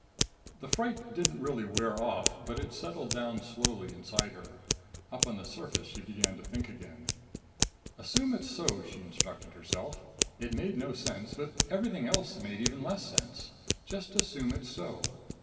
The fright didn't really wear off, but it settled down slowly inside her. Up on the surface she began to think again. Assume it's so, she instructed herself. It made no sense, but everything else made even less sense. Just assume it's so.